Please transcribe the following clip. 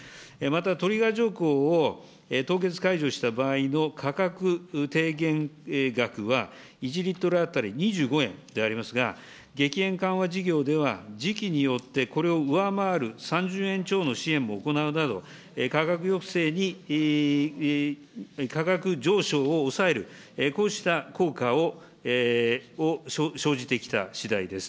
また、トリガー条項を凍結解除した場合の価格低減額は、１リットル当たり２５円でありますが、激変緩和事業では、時期によってこれを上回る３０円超の支援も行うなど価格抑制に、価格上昇を抑える、こうした効果を生じてきたしだいです。